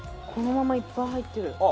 このままいっぱい入ってる。